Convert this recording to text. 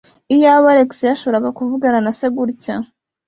Iyaba Alex yashoboraga kuvugana na se gutya.